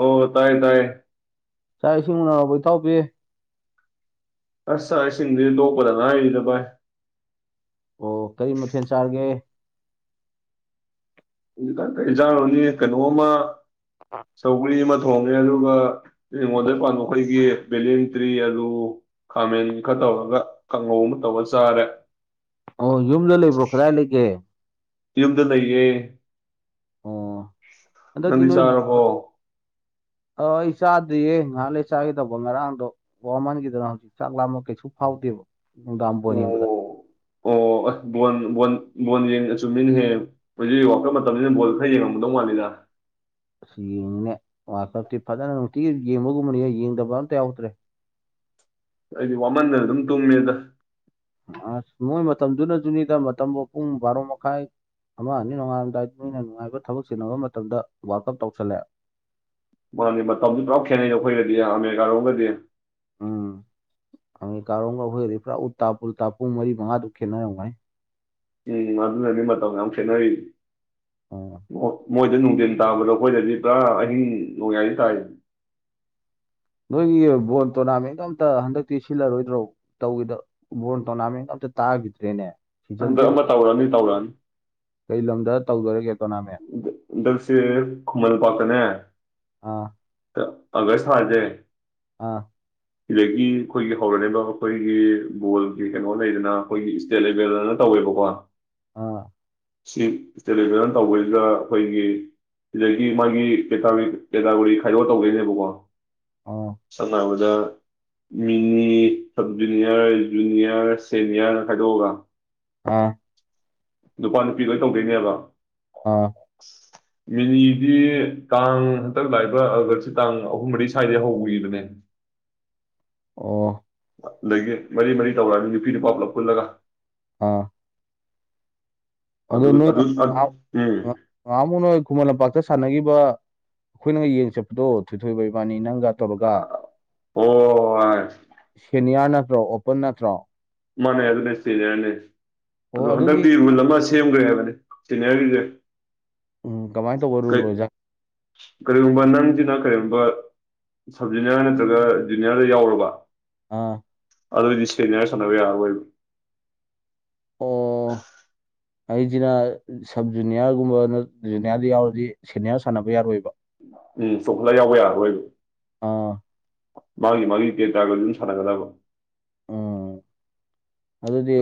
ꯑꯣ ꯇꯥꯏ ꯇꯥꯏ ꯆꯥꯛ ꯏꯁꯤꯡ ꯎꯅꯔꯕ ꯏ ꯊꯥꯎ ꯄꯤꯌꯦ ꯑꯁꯁꯤꯡꯗꯨ ꯇꯣꯛꯄꯗ ꯉꯅꯥꯔꯤꯗ ꯚꯥꯏ ꯑꯣ ꯀꯔꯤ ꯃꯊꯦꯜ ꯆꯥꯔꯒꯦ ꯍꯧꯖꯤꯛ ꯀꯟꯁꯦ ꯏꯟꯖꯡ ꯀꯩꯅꯣ ꯃꯥꯁꯧꯒꯔꯤ ꯊꯣꯡꯉꯦ ꯑꯗꯨꯒ ꯍꯤꯡꯒꯣꯟꯗ ꯄꯥꯟꯕ ꯑꯩꯈꯣꯏꯒꯤ ꯕꯦꯂꯤꯟ ꯇ꯭ꯔꯤ ꯑꯗꯨ ꯈꯥꯃꯦꯟꯒꯤ ꯈꯔ ꯇꯧꯔꯒ ꯀꯥꯡꯉꯧ ꯑꯃ ꯇꯧꯔ ꯆꯥꯔꯦ ꯑꯣ ꯌꯨꯝꯗ ꯂꯩꯕ꯭ꯔꯣ ꯀꯗꯥꯏ ꯂꯩꯒꯦ ꯌꯨꯝꯗ ꯂꯩꯌꯦ ꯑꯣ ꯍꯟꯗꯛꯇꯤ ꯅꯪꯗꯤ ꯅꯣꯏꯕꯨ ꯆꯥꯔꯕꯣ ꯑ ꯑꯩ ꯆꯥꯗꯔꯤꯌꯦ ꯉꯥꯏꯍꯥꯛ ꯂꯩꯔꯒ ꯆꯥꯒꯗꯧꯕ ꯉꯔꯥꯡꯗꯣ ꯋꯥꯃꯟꯈꯤꯗꯅ ꯍꯧꯖꯤꯛ ꯆꯥꯛ ꯂꯥꯝꯕ ꯀꯩꯁꯨ ꯐꯥꯎꯗꯦꯕ ꯅꯨꯡꯗꯥꯡ ꯕꯣꯜ ꯌꯦꯡꯕꯗ ꯑꯣ ꯑꯣ ꯕꯣꯟ ꯌꯦꯡ ꯆꯨꯝꯃꯤꯅꯦꯍꯦ ꯍꯧꯖꯤꯛ ꯋꯥꯀꯞ ꯃꯇꯝꯁꯤꯅ ꯕꯣꯜ ꯈꯔ ꯌꯦꯡꯉꯝꯗꯧ ꯃꯥꯜꯂꯤꯗ ꯑꯁ ꯌꯦꯡꯉꯤꯅꯦ ꯋꯥꯔꯜ ꯀꯞꯇꯤ ꯐꯖꯅ ꯅꯨꯡꯇꯤꯒꯤ ꯌꯦꯡꯕꯒꯨꯝꯕꯅꯤ ꯌꯦꯡꯗꯕ ꯑꯝꯇ ꯌꯥꯎꯗ꯭ꯔꯦ ꯑꯩꯗꯤ ꯋꯥꯃꯟꯗꯅ ꯑꯗꯨꯝ ꯇꯨꯝꯃꯦ ꯑꯗ ꯑꯁ ꯃꯣꯏ ꯃꯇꯝꯗꯨꯅꯖꯨꯅꯤꯗ ꯃꯇꯝꯕꯨ ꯄꯨꯡ ꯕꯥꯔꯣ ꯃꯈꯥꯏ ꯑꯃ ꯑꯅꯤ ꯅꯣꯡꯉꯥꯂꯝꯗꯥꯏꯗ ꯅꯣꯏꯅ ꯅꯨꯡꯉꯥꯏꯕ ꯊꯕꯛ ꯆꯤꯟꯅꯕ ꯃꯇꯝꯗ ꯋꯥꯔꯜ ꯀꯞ ꯇꯧꯁꯜꯂꯦ ꯃꯥꯅꯤ ꯃꯇꯝꯁꯨ ꯄꯨꯔꯥ ꯈꯦꯠꯅꯩ ꯑꯩꯈꯣꯏꯒꯗꯤ ꯑꯃꯦꯔꯤꯀꯥꯔꯣꯝꯒꯗꯤ ꯎꯝ ꯑꯃꯦꯀꯥꯔꯣꯝꯒ ꯑꯩꯈꯣꯏꯒꯗꯤ ꯄꯨꯔꯥ ꯎꯟ ꯇꯥ ꯄꯨꯇꯥ ꯃꯔꯤ ꯃꯉꯥꯗꯨ ꯈꯦꯠꯅꯔꯝꯅꯤ ꯎꯝ ꯑꯗꯨꯅꯅꯤ ꯃꯇꯝ ꯌꯥꯝ ꯈꯦꯠꯅꯔꯤ ꯎꯝ ꯃꯣꯏꯗ ꯅꯨꯡꯊꯤꯟ ꯇꯥꯕꯗꯣ ꯑꯩꯈꯣꯏꯗꯗꯤ ꯄꯨꯔꯥ ꯑꯍꯤꯡ ꯅꯣꯡꯌꯥꯥꯏ ꯇꯥꯏ ꯅꯣꯏꯒꯤ ꯕꯣꯜ ꯇꯣꯔꯅꯥꯃꯦꯟꯗꯣ ꯑꯝꯇ ꯍꯟꯗꯛꯇꯤ ꯁꯤꯜꯂꯔꯣꯏꯗ꯭ꯔꯣ ꯇꯧꯒꯤꯗꯕ ꯕꯣꯟ ꯇꯣꯔꯅꯃꯦꯜꯅꯒ ꯇꯥꯒꯤꯗ꯭ꯔꯦꯅꯦ ꯍꯟꯗꯛ ꯁꯤꯖꯟꯖꯦ ꯑꯃ ꯇꯧꯔꯅꯤ ꯇꯧꯔꯛꯑꯅꯤ ꯀꯩ ꯂꯝꯣꯗ ꯇꯧꯗꯔꯒꯦ ꯍꯟꯗꯛꯁꯦ ꯈꯨꯃꯟ ꯂꯝꯄꯥꯛꯇꯅꯦ ꯑꯥ ꯑꯒꯁ ꯊꯥꯁꯦ ꯑꯥ ꯁꯤꯗꯒꯤ ꯑꯩꯈꯣꯏꯒꯤ ꯍꯧꯔꯅꯦꯕ ꯑꯩꯈꯣꯏꯒꯤ ꯒꯣꯜꯒꯤ ꯀꯩꯅꯣ ꯂꯩꯗꯅ ꯑꯩꯈꯣꯏꯒꯤ ꯏꯁꯇꯦꯠ ꯂꯦꯚꯦꯜꯗꯅ ꯇꯧꯋꯦꯕꯀꯣ ꯑ ꯁꯤ ꯇꯦꯂꯤꯚꯖꯟ ꯇꯧꯕꯩꯗ ꯑꯩꯈꯣꯏꯒꯤ ꯁꯤꯗꯒꯤ ꯃꯥꯒꯤ ꯀꯦꯇꯥꯒꯣꯔꯤ ꯈꯥꯏꯗꯣꯛꯑ ꯇꯧꯗꯣꯏꯅꯦꯕꯀꯣ ꯑꯣ ꯁꯅꯥꯎꯖ mini sub junior junior senior ꯈꯥꯏꯗꯣꯛꯑꯒ ꯑꯥ ꯅꯨꯄꯥ ꯅꯨꯄꯤ ꯂꯣꯏ ꯇꯧꯗꯣꯏꯅꯦꯕ ꯑꯥ ꯃꯤꯅꯤꯗꯤ ꯇꯥꯡ ꯍꯟꯇꯛ ꯂꯥꯛꯏꯕ ꯑꯥꯒꯁꯁꯤ ꯇꯥꯡ ꯑꯍꯨꯝ ꯃꯔꯤ ꯁ꯭ꯋꯥꯏꯗꯩ ꯍꯧꯈꯤꯕꯅꯦ ꯑꯣ ꯑꯗꯒꯤ ꯃꯔꯤ ꯃꯔꯤ ꯇꯧꯔꯛꯑꯗꯤ ꯅꯨꯄꯤ ꯅꯨꯄꯥ ꯄꯨꯂꯞ ꯄꯨꯜꯂꯒ ꯑꯥ ꯑꯗꯨ ꯅꯣꯏꯍ ꯎꯝ ꯉꯍꯥꯃꯨꯛ ꯅꯣꯏ ꯈꯨꯃꯟ ꯂꯝꯄꯥꯛꯇ ꯁꯥꯟꯅꯈꯤꯕ ꯑꯩꯈꯣꯏꯅꯒ ꯌꯦꯡ ꯆꯠꯄꯗꯣ ꯊꯣꯏꯊꯣꯏꯕ ꯏꯕꯥꯅꯤ ꯅꯪꯒ ꯇꯧꯔꯒ ꯑꯣ ꯅꯤꯌꯥꯔ ꯅꯠꯇ꯭ꯔꯣ ꯑꯣꯄꯟ ꯅꯠꯇ꯭ꯔꯣ ꯃꯥꯅꯩ ꯑꯗꯨꯅꯦ ꯁꯦꯅꯤꯌꯔꯅꯦ ꯑꯣ ꯑꯗꯣ ꯑꯗꯨꯒꯤ ꯍꯟꯗꯛꯇꯤ ꯔꯨꯜ ꯑꯃ ꯁꯦꯝꯈ꯭ꯔꯦ ꯍꯥꯏꯕꯅꯤ ꯁꯦꯅꯤꯌꯔꯒꯤꯁꯦ ꯎꯝ ꯀꯃꯥꯏꯅ ꯇꯧꯕ ꯑꯣꯏꯖꯥ ꯅꯣ ꯀꯔꯤꯒꯨꯝꯕ ꯅꯪꯁꯤꯅ ꯀꯔꯤꯒꯨꯝꯕ ꯁꯕ ꯖꯨꯅꯤꯌꯔ ꯅꯠꯇ꯭ꯔꯒ ꯖꯨꯅꯤꯌꯔꯗ ꯌꯥꯎꯔꯕ ꯑꯥ ꯑꯗꯗꯤ ꯁꯦꯅꯌꯔ ꯁꯥꯅꯕ ꯌꯥꯔꯔꯣꯏꯕ ꯑꯣ ꯑꯩꯁꯤꯅ ꯁꯕ ꯖꯨꯅꯤꯌꯥꯔꯒꯨꯝꯕꯅ ꯖꯨꯅꯤꯌꯥꯔꯗ ꯌꯥꯎꯔꯗꯤ ꯁꯦꯅꯤꯌꯔ ꯁꯥꯟꯅꯕ ꯌꯥꯔꯣꯏꯕ ꯎꯝ ꯆꯣꯡꯈꯠꯂ ꯌꯥꯎꯕ ꯌꯥꯔꯣꯏꯕ ꯑꯥ ꯃꯥꯒꯤ ꯃꯥꯒꯤ ꯄꯦ ꯇꯒ ꯑꯗꯨꯝ ꯁꯥꯟꯅꯒꯗꯕ ꯎꯝ ꯑꯗꯨꯗꯤ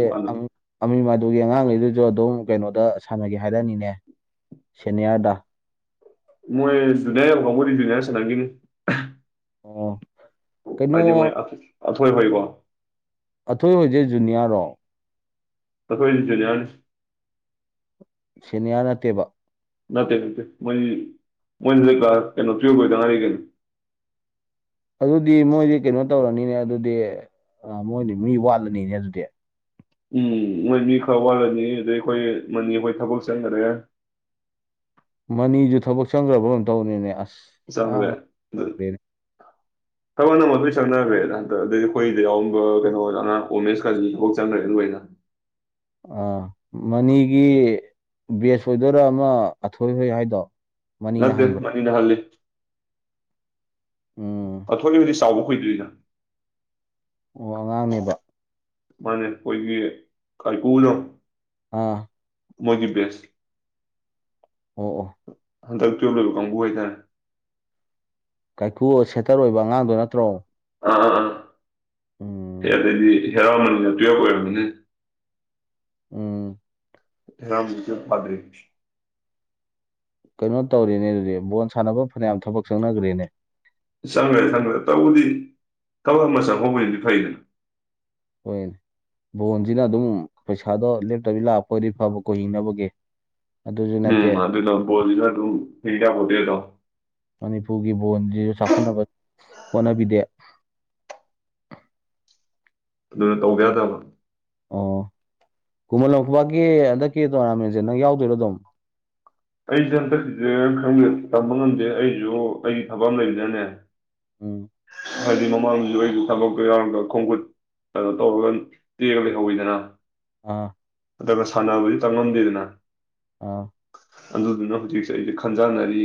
ꯑꯃ ꯃꯗꯨꯒꯤ ꯑꯉꯥꯡꯉꯩꯗꯨꯁꯨ ꯑꯗꯨꯝ ꯀꯩꯅꯣꯗ ꯁꯥꯟꯅꯒꯦ ꯍꯥꯏꯔꯅꯤꯅꯦ ꯁꯦꯅꯤꯌꯥꯔꯗ ꯃꯣꯏ ꯨꯅꯤꯏ ꯑꯐꯕꯕꯨꯗꯤ ꯨꯅꯌꯥ ꯆꯅꯥꯅꯦ ꯑꯣ ꯀꯩꯅꯣ ꯍꯥꯏꯗꯤ ꯃꯣꯏ ꯑꯊꯣꯏ ꯍꯣꯏꯀꯣ ꯑꯊꯣꯏ ꯍꯣꯏꯖꯤ ꯖꯨꯅꯤꯌꯥꯔꯣ ꯑꯩꯈꯣꯏ ꯏꯟꯁꯤꯅꯤꯔ ꯁꯦꯅꯤꯌꯥ ꯅꯠꯇꯦꯕ ꯅꯠꯇꯦ ꯅꯠꯇꯦ ꯃꯣꯏ ꯃꯣꯏꯅ ꯀꯩꯅꯣ ꯇ꯭ꯔꯤꯕ ꯑꯣꯏꯗ ꯉꯔꯤ ꯀꯩꯅꯣ ꯑꯗꯨꯗꯤ ꯃꯣꯏꯗꯤ ꯀꯩꯅꯣ ꯇꯧꯔꯅꯤꯅꯦ ꯑꯗꯨꯗꯤ ꯃꯣꯏꯗꯤ ꯃꯤ ꯋꯥꯠꯂꯅꯤꯅꯦ ꯑꯗꯨꯗꯤ ꯎꯝ ꯅꯣꯏ ꯃꯤ ꯈꯔ ꯋꯥꯠꯂꯅꯤ ꯑꯗꯩ ꯑꯩꯈꯣꯏ ꯃꯅꯤ ꯑꯩꯈꯣꯏ ꯊꯕꯛ ꯆꯪꯈꯔꯦ ꯃꯅꯤꯁꯨ ꯊꯕꯛ ꯆꯪꯈ꯭ꯔꯕ ꯀꯝ ꯇꯧꯕꯅꯤꯅꯦ ꯑꯁ ꯁꯅꯒ ꯑꯉꯥꯡ ꯏ [unintelligible] ꯊꯕꯛ ꯅꯃ ꯑꯗꯨꯣꯏ ꯆꯪꯅꯈ꯭ꯔꯦꯗ ꯍꯟꯇ ꯑꯗꯩ ꯑꯩꯈꯣꯏꯗ ꯌꯥꯎꯔꯝꯕ ꯀꯩꯅꯣ ꯑꯉꯥꯡ ꯑꯣꯃꯦꯁ ꯀꯥꯖꯤꯐꯛ ꯆꯪꯅꯔꯦ ꯑꯗꯨ ꯂꯣꯏꯅ ꯑꯥ ꯃꯅꯤꯒꯤ ꯕꯦꯁ ꯑꯣꯏꯗꯣꯏꯔꯥ ꯑꯃ ꯑꯊꯣꯏꯍꯣꯏ ꯍꯥꯏꯗꯣ ꯃꯅꯤꯅ ꯅꯠꯇꯦ ꯍꯟꯕ꯭ꯔꯥ ꯃꯅꯤꯅ ꯍꯜꯂꯤꯦ ꯎꯝ ꯇꯥꯊꯣꯛꯏꯕꯨꯗꯤ ꯆꯥꯎꯕ ꯀꯨꯏꯗꯣꯏꯗ ꯑꯣ ꯑꯉꯥꯡꯅꯦꯕ ꯃꯥꯅ ꯑꯩꯈꯣꯏꯒꯤ ꯀꯔꯀꯨꯅꯣ ꯑꯥ ꯃꯣꯏꯒꯤ ꯦꯁ ꯑꯣ ꯑꯣ ꯍꯟꯗꯛ ꯇꯨꯋ‌ꯦꯕ ꯂ‌ꯣꯏꯕ ꯀꯥꯡꯒꯨ ꯍꯥꯏꯇꯥꯔ‌ꯦ ꯀꯥꯏꯀꯨ ꯁꯦꯇꯔ ꯑꯣꯏꯕ ꯑꯉꯥꯡꯗꯣ ꯅꯠꯇ꯭ꯔꯣ ꯑꯥ ꯑꯥ ꯑꯥ ꯍ ꯎꯝ ꯑꯗꯨꯗꯤ ꯍꯦꯔ [unintelligible] ꯎꯝ ꯉꯔꯥꯡꯗꯨꯁꯨ [unintelligible] ꯀꯩꯅꯣ ꯇꯧꯔꯤꯅꯦ ꯑꯗꯨꯗꯤ ꯕꯣꯜ ꯁꯥꯟꯅꯕ ꯐꯅꯌꯥꯝ ꯊꯕꯛ ꯆꯪꯅꯈ꯭ꯔꯦꯅꯦ ꯆꯪꯉꯦ ꯈꯪꯉꯦ ꯇꯧꯕꯨꯗꯤl, ꯊꯕꯛ ꯑꯃ ꯆꯪꯍꯧꯕꯁꯤꯗꯤ ꯐꯩꯗꯅ ꯍꯣꯏꯅꯦ ꯕꯣꯟꯁꯤꯅ ꯑꯗꯨꯝ ꯄꯩꯁꯥꯗꯣ ꯂꯦꯞꯇꯕꯤ ꯂꯥꯞꯄ ꯍꯣꯏꯗꯤ ꯐꯕ ꯀꯣꯏ ꯍꯤꯡꯅꯕꯒꯤ ꯑꯗꯨꯁꯨ ꯅꯠꯇꯦ ꯎꯝ ꯑꯗꯨꯅ ꯕꯣꯁꯤꯅ ꯑꯗꯨꯝ ꯍꯤꯡꯗꯌꯥꯄ‌ꯣꯟꯇ‌ꯦꯗ‌ꯣ ꯃꯅꯤꯄꯨꯔꯒꯤ ꯕꯣꯟꯁꯤꯁꯨ ꯆꯥꯎꯈꯠꯅꯕ ꯍꯣꯠꯅꯕꯤꯗꯦ ꯑꯗꯨꯅ ꯇꯧꯗꯌꯥꯗꯕ ꯑꯣ ꯈꯨꯃꯟ ꯂꯧꯄꯥꯛꯀꯤ ꯍꯟꯗꯛꯀꯤ ꯇꯣꯔꯅꯥꯃꯦꯟꯁꯦ ꯅꯪꯛ ꯌꯥꯎꯗꯣꯏꯔꯣ ꯑꯗꯨꯝ ꯑꯩꯁꯦ ꯍꯟꯗꯛꯁꯦ ꯈ ꯇꯝꯕ ꯉꯝꯗꯦ ꯑꯩꯁꯨ ꯑꯩꯒꯤ ꯊꯕꯛ ꯑꯃ ꯂꯩꯕꯅꯅꯦ ꯎꯝ ꯍꯥꯏꯗꯤ ꯃꯃꯥꯡꯁꯨ ꯑꯩꯁꯨ ꯊꯕꯛꯇ ꯌꯥꯎꯔꯒ ꯈꯣꯡꯀꯨꯠ ꯀꯩꯅꯣ ꯇꯧꯔꯒ ꯇꯦꯜꯒ ꯂꯩꯍꯧꯋꯤꯗꯅ ꯑꯥ ꯑꯗꯨꯒ ꯁꯥꯟꯅꯕꯗꯤ ꯇꯪꯉꯝꯗꯦꯗꯅ ꯑꯥ ꯑꯗꯨꯗꯨꯅ ꯍꯧꯖꯤꯛꯁꯦ ꯑꯩꯁ ꯈꯟꯖꯅꯔꯤ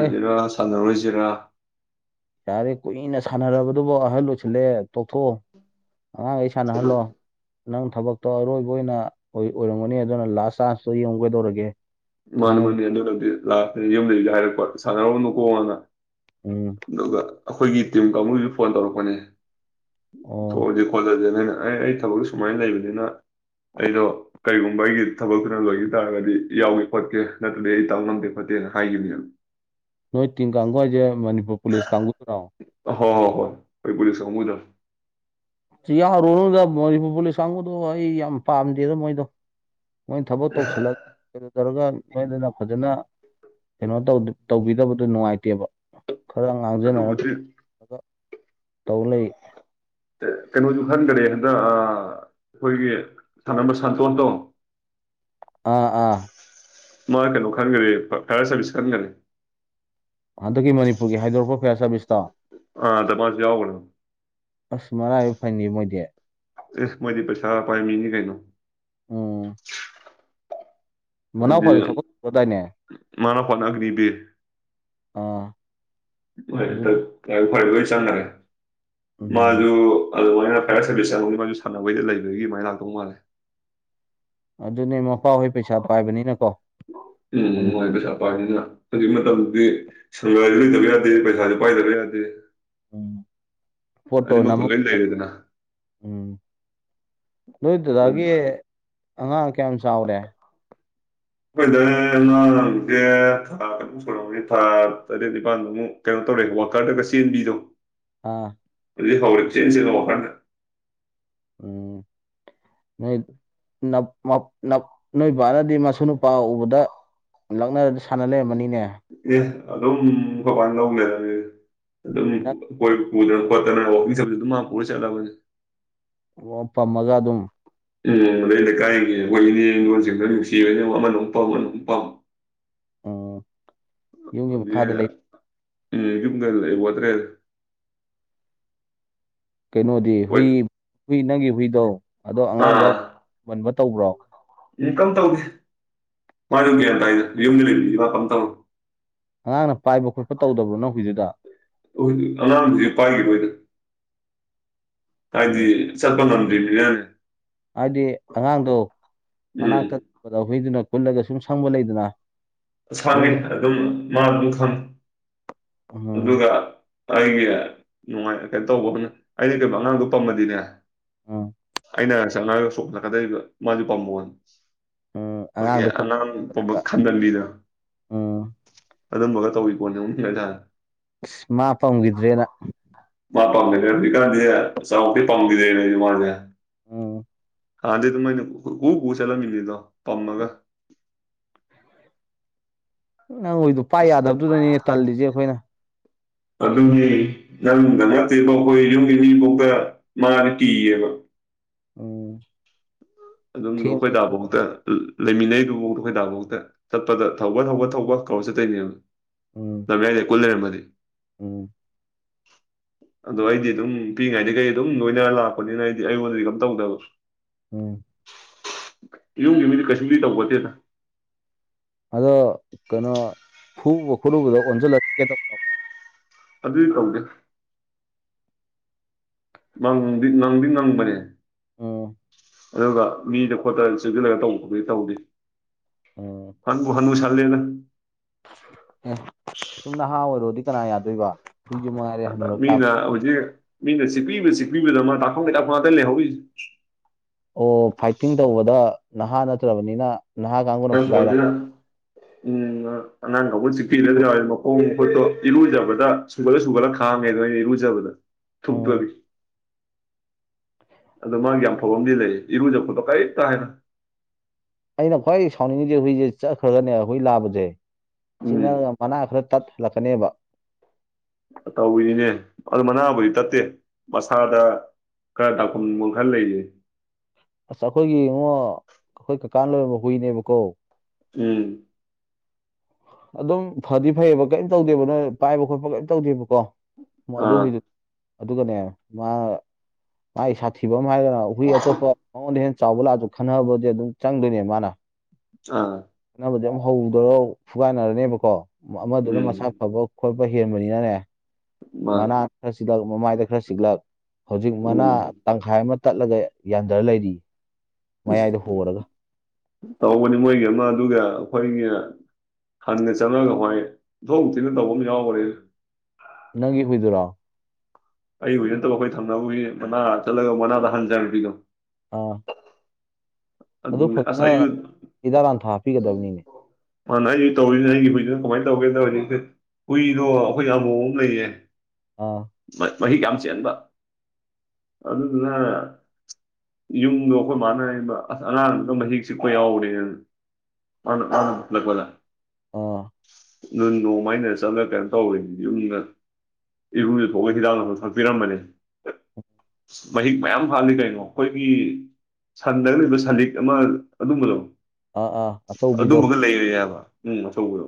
ꯑꯦ ꯁꯥꯟꯅꯔꯣꯏꯁꯤꯔ ꯌꯥꯔꯦ ꯀꯨꯏꯅ ꯁꯥꯟꯅꯔꯕꯗꯨꯕ ꯑꯍꯟ ꯂꯣꯏꯁꯤꯜꯂꯦ ꯇꯣꯛꯊꯣꯛꯑꯣ ꯑ ꯑꯩ ꯑꯗꯨ ꯁꯥꯅꯍꯜꯂꯣ ꯅꯪ ꯊꯕꯛꯇꯣ ꯑꯔꯣꯏꯕ ꯑꯣꯏꯅ ꯑꯣꯏ ꯑꯣꯏꯔꯝꯒꯅꯤ ꯑꯗꯨꯅ ꯂꯥꯁ ꯆꯥꯟꯁꯇꯣ ꯌꯦꯡꯒꯗꯧꯔꯒꯦ ꯃꯅꯤ ꯃꯅꯤ ꯑꯗꯨꯂꯗꯤ ꯂꯥꯛꯇꯅꯤ ꯌꯨꯝꯗꯩꯗ ꯍꯥꯏꯔꯛꯄ ꯁꯥꯟꯅꯔꯣꯅꯨꯀꯣꯉꯪꯅ ꯎꯝ ꯑꯗꯨꯒ ꯑꯩꯈꯣꯏꯒꯤ ꯇꯤꯝ ꯀꯥꯡꯒꯨꯁꯨ ꯐꯣꯟ ꯇꯧꯔꯛꯄꯅꯤ ꯑꯣ ꯊ‌ꯣꯛꯑꯖꯤ ꯈ‌ꯣꯠꯂꯁꯤꯅ ꯑꯩꯅ ꯑꯩ ꯊꯕꯛ ꯁꯨꯃꯥꯏꯅ ꯂꯩꯕꯅꯤꯅ ꯑꯩꯗꯣ ꯀꯔꯤꯒꯨꯝꯕ ꯑꯩꯒꯤ ꯊꯕꯛꯇꯨꯅ ꯂꯣꯏꯈꯤ ꯇꯥꯔꯒꯗꯤ ꯌꯥꯎꯌꯤ ꯈꯣꯠꯀꯦ ꯅꯠꯇ꯭ꯔꯗꯤ ꯑꯩ ꯇꯥꯎ ꯉꯂꯝꯗꯦ ꯈꯣꯠꯇꯦꯅ ꯍꯥꯏꯈꯤꯕꯅꯦꯕ ꯅꯣꯏ ꯇꯤꯡ ꯀꯥꯡꯕꯨ ꯍꯥꯏꯁꯦ ꯃꯅꯤꯄꯨꯔ ꯄꯨꯂꯤꯁ ꯀꯥꯡꯕꯨꯗꯨꯔ‌ꯣ ꯍ‌ꯣ ꯍ‌ꯣ ꯍꯣꯏ ꯑꯩꯈ‌ꯣꯏ ꯄꯨꯂꯤꯁ ꯀꯥꯡꯒꯨꯗ‌ꯣ ꯌꯥꯎꯔꯨꯔꯗ ꯃꯅꯤꯄꯨꯔ ꯄꯨꯂꯤꯁ ꯀꯥꯡꯕꯨꯗꯣ ꯑꯩ ꯌꯥꯝ ꯄꯥꯝꯗꯦꯗ ꯃꯣꯏꯗꯣ ꯃꯣꯏꯅ ꯊꯕꯛ ꯇꯧꯁꯤꯜꯂꯛ [unintelligible] ꯃꯣꯏꯗꯨꯅ ꯐꯖꯅ ꯀꯩꯅꯣ ꯇꯧꯕꯤꯗꯕꯗꯨ ꯅꯨꯡꯉꯥꯏꯇꯦꯕ ꯈꯔ ꯉꯥꯡꯖꯅꯔꯒ ꯑꯗꯨꯕꯨꯗꯤ ꯇꯧ ꯂꯩ ꯀꯩꯅꯣꯁꯨ ꯈꯟꯈꯔꯦ ꯍꯟꯗꯛ ꯑꯩꯈꯣꯏꯒꯤ ꯊꯥꯟꯅꯕ ꯁꯥꯟꯇꯣꯟꯇꯣ ꯑꯥ ꯑꯥ ꯃꯥ ꯀꯩꯅꯣ ꯈꯟꯒꯔ‌ꯦ ꯐꯥꯏꯌꯔ ꯁꯥꯔꯕꯤꯁ ꯈꯟꯒꯔ‌ꯦ ꯍꯟꯗꯛꯀꯤ ꯃꯅꯤꯄꯨꯔꯒꯤ ꯍꯥꯏꯗꯣꯔꯛꯄ ꯐꯤꯌꯥꯔ ꯁꯥꯔꯚꯤꯁꯁꯇꯣ ꯑ ꯑꯥꯗ ꯃꯥꯁꯨ ꯌꯥꯎꯒꯔꯝꯅꯤ ꯑꯁ ꯃꯔꯥꯏꯕꯛ ꯐꯩꯅ‌ꯦ ꯃꯣꯏꯗꯤ ꯏꯁ ꯃꯣꯏꯗꯤ ꯄꯩꯁꯥ ꯄꯥꯏꯃꯤꯅꯤ ꯀꯩꯅꯣ ꯑꯣ ꯍꯥꯏꯗꯤ ꯃꯅꯥꯎꯄꯥꯁꯨ ꯊꯣꯛꯄꯗꯥꯏꯅꯦ ꯃꯥꯅ ꯍꯣꯠꯅꯈ꯭ꯔꯤꯕ ꯑꯥ ꯑꯗꯨ ꯍꯣꯏ ꯍꯣꯏ ꯂꯣꯏ ꯆꯪꯈꯔꯦ ꯎꯝ ꯃꯥꯁꯨ ꯑꯗꯨꯃꯥꯏꯅ ꯐꯌꯔ ꯁꯔꯚꯤꯁꯁ ꯆꯪꯉꯧꯅꯤ ꯃꯥꯁꯨ ꯁꯥꯟꯅꯕꯩ ꯂꯩꯕꯒꯤ ꯃꯥꯏ ꯂꯥꯛꯗꯧ ꯃꯥꯜꯂꯦ ꯑꯗꯨꯅꯦ ꯃꯄꯥꯍꯣꯏ ꯄꯩꯁꯥ ꯄꯥꯏꯕꯅꯤꯅ ꯀꯣ ꯎꯝ ꯃꯣꯏ ꯄꯩꯁꯥ ꯄꯥꯏꯅꯤꯅ ꯍꯧꯖꯤꯛ ꯃꯇꯝꯗꯤ ꯁꯪꯒꯔꯤꯁꯨ ꯂꯩꯇꯕ ꯌꯥꯗꯦ ꯄꯩꯁꯥꯁꯨ ꯄꯥꯏꯗꯕ ꯌꯥꯗꯦ ꯎꯝ ꯑꯅꯤꯃꯛꯇꯣ ꯐꯣꯇꯣꯅꯃꯛ ꯂꯣꯏ ꯂꯩꯔꯦꯗꯅ ꯎꯝ ꯅꯣꯏꯗꯨꯗꯒꯤ ꯑꯉꯥꯡ ꯀꯌꯥꯝ ꯆꯥꯎꯔꯦ [inaudible] ꯑꯩꯈꯣꯏꯗ ꯅꯍ ꯍꯧꯁꯦ ꯊꯥꯨꯛ ꯁꯛꯅꯤ ꯊꯥ ꯇꯔꯦꯠ ꯅꯤꯄꯥꯜꯃꯨꯛ ꯀꯩꯅꯣ ꯇꯧꯔꯦ ꯋꯥꯀꯔꯗꯒ ꯆꯦꯟꯕꯤꯗꯣ ꯑꯥ ꯍꯧ ꯍꯧꯛ ꯆꯦꯟꯖ ꯉꯣꯛꯈ꯭ꯔꯥꯟꯦ ꯎꯝ ꯅꯣꯏꯄꯥꯅꯗꯤ ꯃꯁꯨ ꯅꯨꯄꯥ ꯎꯕꯗ ꯂꯛꯅꯔꯗ ꯁꯥꯟꯅ ꯂꯩꯔꯝꯕꯅꯤꯅꯦ ꯑꯦ ꯑꯗꯨꯝ ꯈꯣꯕꯥꯅ ꯂꯧꯂꯩꯔꯅꯦ ꯅꯪ ꯑꯗꯨꯝꯈꯣꯏ ꯄꯨꯗꯅ‌ ꯈꯣꯠꯇꯅ ꯋꯥꯀꯤꯡ ꯆꯠꯕꯖꯨ ꯗꯨꯝ ꯃꯥ ꯄꯨꯔ ꯆꯠꯂꯕꯅꯤ ꯑꯣ ꯄꯝꯃꯒ ꯑꯗꯨꯝ ꯎꯝ ꯑꯗꯩ ꯂꯩꯀꯥꯏꯒꯤ ꯑꯩꯈꯣꯏ ꯏꯅꯦ ꯏꯗꯣꯟꯁꯤꯡꯗꯣ ꯅꯨꯡꯁꯤꯕꯅ ꯑꯃꯅ ꯑꯃꯨꯛ ꯄꯝ ꯑꯃꯅ ꯑꯃꯨꯛ ꯄꯝ ꯎꯝ ꯌꯨꯝꯒꯤ ꯍꯥꯏꯗꯤ ꯃꯈꯥꯗ ꯂꯩ ꯌꯨꯝꯗꯒ ꯂꯩꯕ‌ꯣꯟꯇ꯭ꯔ‌ꯦꯕ ꯀꯩꯅꯣꯗꯤ ꯍꯣꯏ ꯍꯨꯏ ꯍꯨꯏ ꯅꯪꯒꯤ ꯍꯨꯏꯗꯣ ꯑꯗꯣ ꯑꯉꯥꯡꯗ ꯃꯟꯕ ꯇꯧꯕ꯭ꯔꯣ ꯏ ꯀꯝ ꯇꯧꯗ‌ꯦ ꯃꯥꯗꯨꯝ ꯒꯌꯥꯟ ꯇꯥꯏꯗ ꯌꯨꯝꯗ ꯂꯩꯕꯅꯤ ꯃꯥ ꯀꯝ ꯇꯧꯗ‌ꯦ ꯑꯉꯥꯡꯅ ꯄꯥꯏꯕ ꯈꯣꯠꯄ ꯇꯧꯗꯕ꯭ꯔꯣ ꯅꯪ ꯍꯨꯏꯗꯨꯗ ꯍꯧꯖꯤꯛꯇꯤ ꯑꯉꯥꯡꯖꯤ ꯄꯥꯏꯈꯤꯔ‌ꯣꯏꯗ ꯍꯥꯏꯗꯤ ꯎꯝ ꯆꯠꯄꯉꯝꯗ꯭ꯔꯤꯝꯅꯤꯅꯅꯦ ꯍꯥꯏꯗꯤ ꯑꯉꯥꯡꯗꯣ ꯎꯝ ꯃꯅꯥꯛꯇꯗ ꯍꯨꯏꯗꯨꯅ ꯀꯨꯜꯂꯒ ꯁꯨꯝ ꯁꯪꯕ ꯂꯩꯗꯅ ꯁꯪꯉꯤ ꯌꯨꯝꯒꯤ ꯑꯗꯨꯝ ꯃꯥ ꯑꯗꯨꯝ ꯈꯪꯉꯤ ꯎꯝ ꯑꯗꯨꯒ ꯑꯩꯒꯤ ꯅꯨꯡꯉꯥꯏ ꯀꯩꯅꯣ ꯇꯧꯕ ꯑꯃꯅ ꯑꯩꯅ ꯀꯩꯝꯕ ꯑꯉꯥꯡꯗꯣ ꯄꯝꯃꯗꯤꯅꯦ ꯎꯝ ꯑꯩ ꯅꯅꯥꯛꯆꯪꯉꯒ ꯁꯣꯛꯅꯀꯗꯩꯕ ꯃꯥꯖꯨ ꯄꯝꯃꯣꯅ ꯎꯝ ꯈꯣꯏꯒꯤ ꯑꯉꯥꯡꯗꯣ ꯑꯉꯥꯡ ꯄꯨꯕ ꯈꯝꯕꯜꯂꯤꯗꯅ ꯎꯝ ꯑꯗꯨꯝꯕꯒ ꯇꯧꯏꯄꯣꯠꯅꯤ ꯅꯣꯅꯤꯡꯒꯖꯥꯠꯅꯤ ꯑꯁ ꯃꯥ ꯄꯝꯒꯤꯗ꯭ꯔꯦꯅ ꯃꯥ ꯄꯥꯈꯤꯗꯦ ꯍꯧꯖꯤꯛꯀꯥꯟꯖꯦ ꯆꯥꯎꯗꯩ ꯄꯥꯝꯈꯤꯗꯦꯅꯦ ꯑꯩꯁꯦ ꯃꯥꯖꯦ ꯎꯝ ꯍꯥꯟꯗꯤꯗꯨꯝ ꯑꯩ ꯅ ꯎ ꯀꯨ ꯆꯠꯂꯝꯃꯤꯅꯤꯗꯣ ꯄꯝꯃꯒ ꯅꯪꯍꯨꯏꯗꯣ ꯄꯥꯏ ꯑꯁ ꯌꯥꯗꯕꯗꯨꯗꯅꯦ ꯇꯜꯂꯤꯖꯦ ꯑꯩꯈꯣꯏꯅ ꯑꯗꯨꯒꯤ ꯅꯪꯗ ꯅꯠꯇꯦꯕꯣ ꯑꯩꯈꯣꯏ ꯌꯨꯝꯒꯤ ꯃꯤꯐꯥꯎꯗ ꯃꯥꯅ ꯀꯤꯌꯦꯕ ꯎꯝ ꯑꯗꯨꯝ ꯑꯩꯈꯣꯏ ꯊꯦꯡꯕ ꯗꯥꯕꯥꯎꯗ ꯂꯩꯃꯤꯟꯅꯔꯤꯗꯨꯕꯧꯗ ꯈꯣꯏꯗꯥꯐꯧꯗ ꯆꯠꯄꯗ ꯊꯧꯕ ꯊꯧꯕ ꯊꯧꯕ ꯀꯧꯔ ꯆꯠꯇꯣꯏꯅꯦꯕ ꯎꯝ ꯂꯝꯌꯥꯏꯗꯒ ꯀꯨꯜ‌ꯂꯩꯔꯝꯃꯗꯤ ꯎꯝ ꯑꯗꯣ ꯑꯩꯗꯤ ꯑꯗꯨꯝ ꯄꯤꯛꯏꯉꯩꯗꯒꯤ ꯑꯩ ꯑꯗꯨꯝ ꯂꯣꯏꯅꯔ ꯂꯥꯛꯄꯅꯤꯅ ꯑꯩꯗꯤ ꯑꯩꯉꯣꯟꯗꯗꯤ ꯀꯝ ꯇꯧꯗꯕ ꯎꯝ ꯌꯨꯝꯒꯤ ꯃꯤꯗꯤ ꯀꯩꯁꯨꯕꯨꯗꯤ ꯇꯧꯕꯣꯠꯇꯦꯗ ꯑꯗꯣ ꯀꯩꯅꯣ ꯐꯨꯕ ꯈꯣꯠꯂꯨꯕꯗꯣ ꯑꯣꯟꯁꯤꯜꯂ ꯆꯤꯀꯦꯇꯧꯕꯗꯣ ꯑꯗꯨꯗꯤ ꯇꯧꯗꯦ ꯉꯪꯗꯤ ꯉꯪꯗꯤ ꯉꯪꯕꯅꯦ ꯎꯝ ꯑꯗꯨꯒ ꯃꯤꯗ ꯈꯣꯠꯇꯅ ꯆꯦꯟꯁꯤꯜꯂꯒ ꯇꯧꯕ ꯈꯣꯠꯄꯗꯤ ꯇꯧꯗꯦ ꯎꯝ ꯍꯟꯕꯨ ꯍꯅꯨ ꯁꯜꯂꯦꯗ ꯑꯦ ꯁꯨꯝ ꯅꯍꯥ ꯑꯣꯏꯔꯣꯗꯤ ꯀꯅꯥ ꯌꯥꯗꯣꯏꯕ ꯍꯨꯏꯖꯨꯃꯉꯥꯏ ꯑꯗ ꯃꯤꯅ ꯍꯧꯖꯤꯛ ꯃꯤꯅ ꯆꯤꯛꯄꯤꯕ ꯆꯤꯛꯄꯤꯕꯗ ꯃꯥ ꯗꯥꯛꯐꯝꯒꯤ ꯗꯥꯛꯐꯝ ꯉꯥꯛꯇ ꯂꯩꯍꯧꯔꯤ ꯑꯣ ꯐꯥꯏꯇꯤꯡ ꯇꯧꯕꯗ ꯅꯍꯥ ꯅꯠꯇ꯭ꯔꯕꯅꯤꯅ ꯅꯍꯥ ꯀꯥꯡꯕꯨꯅ ꯅꯠꯇꯔꯝꯅꯤꯅ ꯐꯨꯒꯥꯏꯔꯛꯄ ꯎꯝ ꯑꯉꯥꯡ ꯀꯥꯡꯒꯨꯅ ꯆꯤꯛꯄꯤꯔꯗ꯭ꯔꯥ ꯃꯈꯣꯡ ꯃꯈꯨꯠꯇꯣ ꯏꯔꯨꯖꯕꯗ ꯁꯨꯒꯠꯂ ꯁꯨꯒꯠꯂ ꯈꯥꯡꯉꯦꯗ ꯑꯩꯅ ꯏꯔꯨꯖꯕꯗ ꯎꯝ ꯊꯨꯞꯄꯒꯤ ꯑꯗꯣ ꯃꯥꯒꯤ ꯌꯥꯝ ꯐꯕ ꯑꯃꯗꯤ ꯂꯩ ꯏꯔꯨꯖ ꯈꯣꯠꯄ ꯀꯔꯤꯝꯇ ꯍꯥꯏꯅ ꯑꯩꯅ ꯈ꯭ꯋꯥꯏ ꯁꯥꯎꯅꯤꯡꯉꯤꯖꯦ ꯍꯨꯏꯖꯦ ꯆꯠꯈ꯭ꯔꯒꯅꯦ ꯍꯨꯏ ꯂꯥꯕꯖꯦ ꯎꯝ ꯆꯤꯛꯅꯔꯒ ꯃꯅꯥ ꯈꯔ ꯇꯠ ꯂꯥꯛꯀꯅꯦꯕ ꯑꯇꯧꯏꯅꯤꯅꯦ ꯑꯗꯨ ꯃꯅꯥꯕꯨꯗꯤ ꯇꯠꯇꯦ ꯃꯁꯥꯗ ꯈꯔ ꯗꯥꯛꯐꯝꯕ ꯈꯔ ꯂꯩꯔꯤꯌꯦ ꯑꯁ ꯑꯩꯈꯣꯏꯒꯤ ꯏꯉꯣ ꯑꯩꯈꯣꯏ ꯀꯀꯥ ꯂꯣꯏꯔꯝꯕ ꯍꯨꯏꯅꯦꯕꯀꯣ ꯎꯝ [unintelligible] ꯑꯗꯨꯝ ꯐꯗꯤ ꯐꯩꯌꯦꯕ ꯀꯩꯝ ꯇꯧꯗꯦꯕ ꯅꯣꯏ ꯄꯥꯏꯕ ꯈꯣꯠꯄ ꯀꯔꯤꯝ ꯇꯧꯗꯦꯕꯀꯣ ꯃꯗꯨ ꯑꯥ ꯍꯨꯏꯗꯨ ꯑꯗꯨꯒꯅꯦ ꯃꯥ ꯃꯥꯒꯤ ꯁꯥꯊꯤꯕ ꯍꯥꯏꯔꯗꯅ ꯍꯨꯏ ꯑꯇꯣꯞꯄ ꯍꯉꯣꯟꯗ ꯍꯦ ꯆꯥꯎꯕ ꯂꯥꯛꯑꯁꯨ ꯈꯟꯅꯕꯗꯤ ꯑꯗꯨꯝ ꯆꯪꯗꯣꯏꯅꯦ ꯃꯥꯅ ꯑꯥ ꯀꯥꯟꯅꯕꯗꯤ ꯍꯧꯗꯔꯒ ꯐꯨꯒꯥꯟꯅꯔꯅꯦꯕꯀꯣ ꯑꯃꯗꯨꯅ ꯎꯝ ꯃꯁꯥ ꯐꯕ ꯈꯣꯠꯄ ꯍꯦꯟꯕꯅꯤꯅꯅꯦ ꯃꯥꯅꯤ ꯃꯅꯥ ꯈꯔ ꯆꯤꯛꯂꯛ ꯃꯃꯥꯏꯗ ꯈꯔ ꯆꯤꯛꯂꯛ ꯍꯧꯖꯤꯛ ꯃꯅꯥ ꯎꯝ ꯇꯪꯈꯥꯏ ꯑꯃ ꯇꯠꯂꯒ ꯌꯥꯟꯊꯔ ꯂꯩꯔꯤ ꯃꯌꯥꯏꯗ ꯍꯣꯔꯒ ꯇꯧꯕꯅꯤ ꯃꯣꯏꯒꯤ ꯑꯃ ꯑꯗꯨꯒ ꯑꯩꯈꯣꯏꯒꯤ ꯍꯟꯅ ꯆꯪꯉꯒ ꯍꯣꯏꯊꯣꯛ ꯊꯤꯅ ꯇꯧꯕ ꯑꯃ ꯌꯥꯎꯈ꯭ꯔꯦ ꯅꯪꯒꯤ ꯍꯨꯏꯗꯨꯔꯣ ꯑꯩ ꯍꯧꯖꯤ ꯅꯠꯇꯕ ꯑꯩꯈꯣꯏ ꯊꯝꯅꯕꯖꯤ ꯃꯅꯥ ꯆꯠꯂꯒ ꯃꯅꯥꯗ ꯍꯟꯖꯔꯕꯤꯗꯣ ꯑꯣ ꯑꯗꯨ ꯑꯗꯨꯅꯦ ꯑꯁ ꯐꯖꯅ ꯑꯩꯁꯨ ꯍꯤꯗꯥ ꯂꯥꯟꯊꯥ ꯍꯥꯞꯄꯤꯒꯗꯕꯅꯤꯅꯦ ꯃꯥꯥꯟ ꯅ ꯑꯩꯁ ꯇꯧꯔꯤꯁꯤꯅ ꯑꯩꯒꯤ ꯍꯨꯏꯁꯤꯅ ꯀꯃꯥꯏꯅ ꯇꯧꯒꯦ ꯍꯧꯖꯤꯛꯁꯦ ꯍꯨꯏꯗꯣ ꯑꯩꯈꯣꯏ ꯑꯕꯣ ꯑꯃ ꯂꯩꯌꯦ ꯑꯥ ꯃꯍꯤ ꯀꯝ ꯆꯕ ꯑꯗꯨꯗꯨꯅ ꯌꯨꯝꯗꯣ ꯑꯩꯈꯣꯏ ꯃꯥꯟꯅ ꯑꯁ ꯑꯉꯥꯡꯗ ꯃꯍꯤꯛ ꯆꯤꯛꯄ ꯌꯥꯎꯔꯦꯅ ꯂꯣꯂ ꯑꯥ ꯅ ꯅꯣꯡꯃꯥꯏꯩꯅ ꯆꯠꯂꯒ ꯀꯩꯅꯣ ꯇꯧꯋꯅꯤ ꯌꯨꯝꯗ ꯏꯕꯨꯝꯗꯨ ꯊꯣꯛꯑ ꯍꯤꯗꯥꯛ ꯑꯃꯨꯛ ꯊꯛꯄꯤꯔꯝꯕꯅꯤ ꯃꯍꯤꯛ ꯃꯌꯥꯝ ꯍꯥꯜꯂꯤ ꯀꯩꯅꯣ ꯑꯩꯈꯣꯏꯒꯤ ꯁꯟꯗ ꯂꯩꯕ ꯁꯂꯤꯛ ꯑꯃ ꯑꯗꯨꯝꯕ ꯂꯧ ꯑ ꯑ ꯑꯗꯨꯝꯕꯒ ꯂꯩꯔ ꯌꯥꯕ ꯑꯊꯧꯕꯗꯣ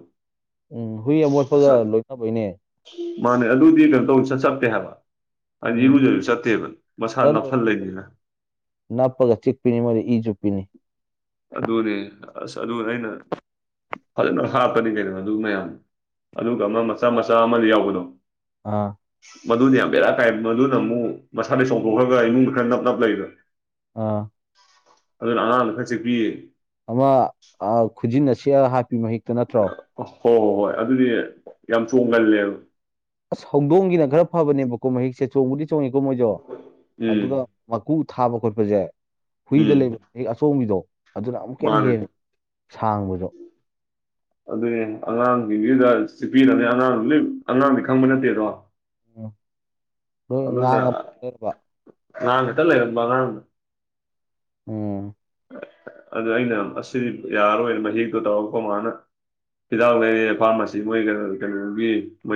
ꯎꯝ ꯍꯨꯏ ꯑꯃꯨꯣꯠꯐꯥꯎꯗ ꯂꯣꯏꯅꯕꯩꯅꯦ ꯃꯥꯅꯦ ꯑꯗꯨꯗꯤ ꯀꯩꯅꯣ ꯇꯧ ꯁ ꯆꯀꯦ ꯍꯥꯏꯕ ꯎꯝ ꯑꯩꯗꯤꯔꯨꯖꯕꯁꯨ ꯆꯠꯇꯦꯕ ꯃꯁꯥ ꯆꯠꯂꯣꯏꯍꯦ ꯅꯅꯥꯞꯊꯜꯂꯅꯤꯅ ꯅꯞꯄꯒ ꯆꯤꯛꯄꯤꯅꯤ ꯃꯣꯏꯗꯤ ꯏꯁꯨ ꯄꯤꯅꯤ ꯑꯗꯨꯅꯦ ꯑꯁ ꯑꯗꯨ ꯑꯩꯅ ꯐꯖꯅ ꯍꯥꯞꯀꯅꯤ ꯀꯩꯗꯅꯣ ꯑꯗꯨ ꯃꯌꯥꯝ ꯑꯗꯨꯒ ꯑꯃ ꯃꯆꯥ ꯃꯆꯥ ꯑꯃ ꯌꯥꯎꯕꯗꯣ ꯑꯥ ꯃꯗꯨꯅ ꯌꯥꯝ ꯕꯦꯔꯥ ꯀꯥꯏ ꯃꯗꯨꯅ ꯑꯃꯨꯛ ꯃꯁꯥꯗ ꯆꯣꯡꯊꯣꯛꯈ꯭ꯔꯒ ꯏꯃꯨꯡꯗ ꯈꯔ ꯅꯞ ꯅꯞ ꯂꯩꯕ ꯑꯥ ꯑꯗꯨꯅ ꯑꯅꯥꯥꯡꯅ ꯈꯔ ꯆꯦꯛꯄꯤꯌꯦ ꯑꯃ ꯈꯨꯖꯤꯟ ꯑꯁꯤ ꯍꯥꯞꯄꯤ ꯃꯍꯤꯛꯇ ꯅꯠꯇ꯭ꯔꯣ ꯑ ꯍꯣꯏ ꯍꯣꯏ ꯍꯣꯏ ꯑꯗꯨꯗꯤ ꯌꯥꯝ ꯆꯣꯡꯒꯜꯂꯦꯕ ꯑꯁ ꯍꯧꯗꯣꯡꯒꯤꯅ ꯈꯔ ꯐꯕꯅꯦꯕꯀꯣ ꯃꯍꯤꯛꯁꯦ ꯆꯣꯡꯕꯨꯗꯤ ꯆꯣꯡꯉꯤꯀꯣ ꯃꯣꯏꯁꯨ ꯎꯝ ꯑꯗꯨꯒ ꯃꯀꯨ ꯊꯥꯕ ꯈꯣꯠꯄꯁꯦ ꯍꯨꯏꯗ ꯎꯝ ꯂꯩꯔ ꯑꯆꯣꯡꯝꯕꯤꯗꯣ ꯑꯗꯨꯅ ꯑꯃꯨꯛꯀ ꯍꯦꯟꯅ ꯃꯥꯅꯦ ꯍꯦꯟꯅ ꯁꯥꯡꯕꯗꯣ ꯑꯗꯨꯒꯤ ꯑꯉꯥꯡꯁꯤꯡꯗꯨꯗ ꯆꯤꯛꯄꯤꯔꯅꯦ ꯑꯉꯥꯡ ꯂꯣꯏ ꯑꯉꯥꯡꯗꯤ ꯈꯪꯕ ꯅꯠꯇꯦꯗꯣ ꯎꯝ ꯑꯗꯨꯅ ꯉꯉ ꯄꯨꯔꯔꯤꯕ ꯑꯉꯥꯡ ꯈꯤꯇ ꯂꯩꯔꯟꯕ ꯑꯉꯥꯡꯅ ꯎꯝ ꯑꯗꯨ ꯑꯩꯅ ꯑꯁꯤꯗꯤ ꯌꯥꯔꯣꯏꯅ ꯃꯍꯤꯛꯇꯣ ꯇꯧꯔꯀꯣ ꯃꯥꯅ ꯍꯤꯗꯥꯛ ꯂꯩꯔꯦ ꯐꯥꯔꯃꯥꯁꯤ ꯃꯣꯏ ꯀꯩꯅꯣꯒꯤ ꯃꯣꯏ